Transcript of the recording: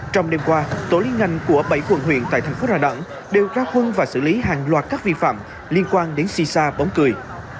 trong đêm qua tổ liên ngành của bảy quận huyện tại thành phố đà nẵng đều ra quân và xử lý hàng loạt các vi phạm liên quan đến si sa bóng cười